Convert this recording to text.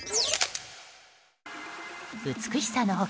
美しさの他